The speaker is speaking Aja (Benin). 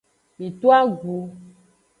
Mi to agu.